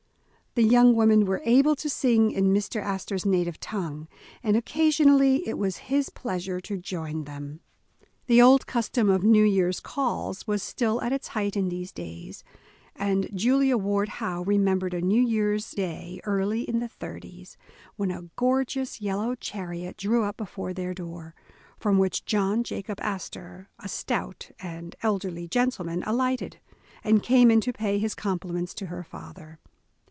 '* The young women were able to sing in Mr. Astor 's native tongue, and occasionally it was his pleasure to join them. The old custom of New Year's calls was still at its height in these days, and Julia Ward Howe remem bered a New Year's day early in the thirties, when a gorgeous yellow chariot drew up before their door, from which John Jacob Astor, a stout, elderly gentleman, alighted, and came in to pay his compliments to her father.